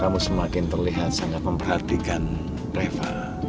kamu semakin terlihat sangat memperhatikan reva